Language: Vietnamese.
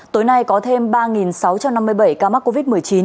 tối nay có thêm ba sáu trăm năm mươi bảy ca mắc covid một mươi chín